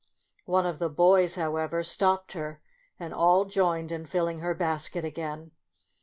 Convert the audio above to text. One of the boys, however, stopped her, and all joined in fill ing her basket again.